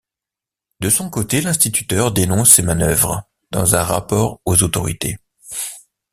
De son côté, l'instituteur dénonce ces manœuvres dans un rapport aux autorités.